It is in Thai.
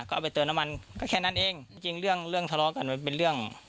ก็เอาไปเติมน้ำมันก็แค่นั้นเองจริงเรื่องเรื่องทะเลาะกันมันเป็นเรื่อง